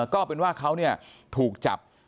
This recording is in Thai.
ก็เป็นว่าเขาเนี่ยถูกจับ